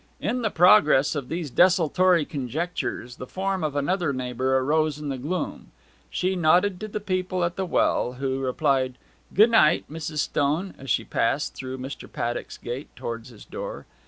In the progress of these desultory conjectures the form of another neighbour arose in the gloom. She nodded to the people at the well, who replied 'G'd night, Mrs. Stone,' as she passed through Mr. Paddock's gate towards his door.